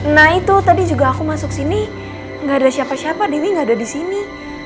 nah itu tadi juga aku masuk sini nggak ada siapa siapa dewi gak ada di sini